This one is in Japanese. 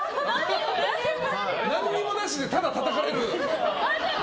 何もなしでただたたかれる。